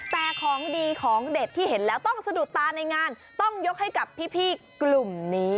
แต่ของดีของเด็ดที่เห็นแล้วต้องสะดุดตาในงานต้องยกให้กับพี่กลุ่มนี้